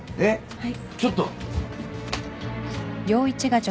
はい。